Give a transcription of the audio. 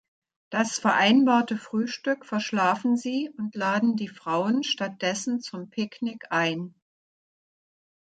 Das vereinbarte Frühstück verschlafen sie, und laden die Frauen stattdessen zum Picknick ein.